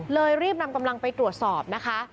รีบนำกำลังไปตรวจสอบนะคะ